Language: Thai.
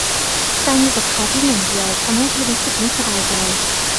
การอยู่กับเขาเพียงอย่างเดียวทำให้เธอรู้สึกไม่สบายใจ